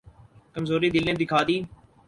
کمزوری دل نے دکھا دی۔